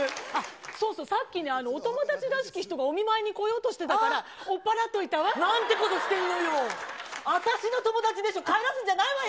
そうそう、さっきね、お友達らしき人がお見舞いに来ようとしてたから、おっぱらっといたわ。なんてことしてんのよ、私の友達でしょ、帰らすんじゃないわよ。